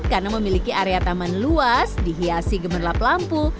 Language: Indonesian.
karena memiliki area taman luas dihiasi gemerlap lampu